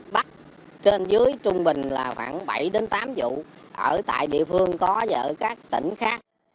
bắt trên dưới trung bình là khoảng bảy tám vụ ở tại địa phương có và ở các tỉnh khác